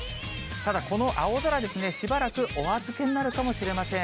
ただ、この青空ですね、しばらくお預けになるかもしれません。